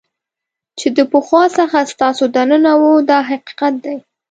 چې د پخوا څخه ستاسو دننه وو دا حقیقت دی.